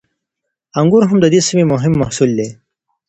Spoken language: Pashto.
انګور هم د دې سیمې مهم محصول دی.